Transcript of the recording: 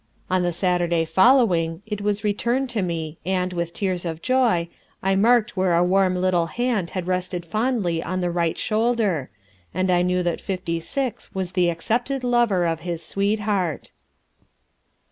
On the Saturday following it was returned to me and, with tears of joy, I marked where a warm little hand had rested fondly on the right shoulder, and knew that Fifty Six was the accepted lover of his sweetheart."